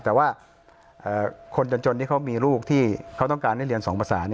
แต่ว่าคนจนที่เขามีลูกที่เขาต้องการได้เรียน๒ภาษา